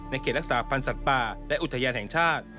เขตรักษาพันธ์สัตว์ป่าและอุทยานแห่งชาติ